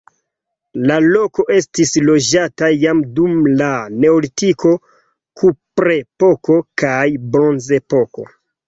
La loko estis loĝata jam dum la neolitiko, kuprepoko kaj bronzepoko.